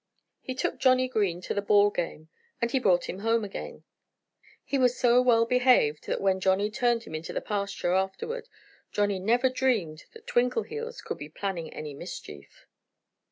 He took Johnnie Green to the ball game. And he brought him home again. He was so well behaved that when Johnnie turned him into the pasture, afterward, Johnnie never dreamed that Twinkleheels could be planning any mischief.